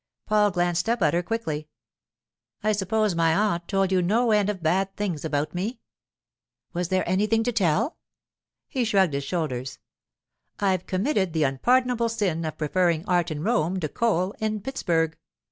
Paul glanced up at her quickly. 'I suppose my aunt told you no end of bad things about me?' 'Was there anything to tell?' He shrugged his shoulders. 'I've committed the unpardonable sin of preferring art in Rome to coal in Pittsburg.